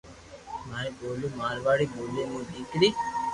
ماري ٻولي مارواڙي ٻولي مون نيڪري